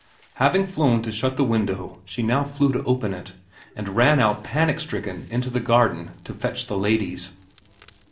Having flown to shut the window she now flew to open it, and ran out panic stricken into the garden to fetch the ladies.